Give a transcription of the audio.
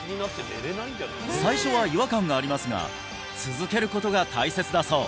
最初は違和感がありますが続けることが大切だそう